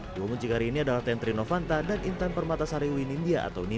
dua bunci kari ini adalah tentri novanta dan intan permata sariwi nindi